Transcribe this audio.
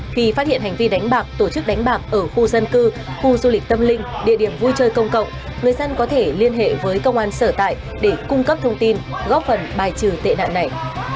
khi phát hiện hành vi đánh bạc tổ chức đánh bạc ở khu dân cư khu du lịch tâm linh địa điểm vui chơi công cộng người dân có thể liên hệ với công an sở tại để cung cấp thông tin góp phần bài trừ tệ nạn này